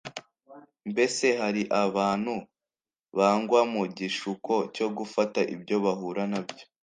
Mbese hari abantu bagwa mu gishuko cyo gufata ibyo bahura nabyo